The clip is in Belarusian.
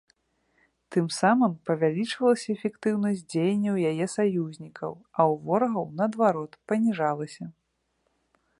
Тым самым павялічвалася эфектыўнасць дзеянняў яе саюзнікаў, а ў ворагаў, наадварот, паніжалася.